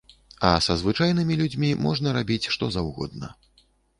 А са звычайнымі людзьмі можна рабіць што заўгодна.